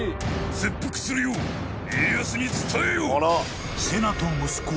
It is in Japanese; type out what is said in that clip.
切腹するよう家康に伝えよ！